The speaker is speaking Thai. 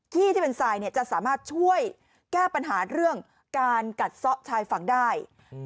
ที่เป็นทรายจะสามารถช่วยแก้ปัญหาเรื่องการกัดซ่อชายฝั่งได้